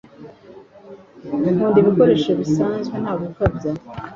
Nkunda ibikoresho bisanzwe ntagukabya